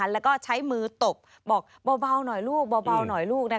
แล้วก็ใช้มือตบบอกเบาหน่อยลูก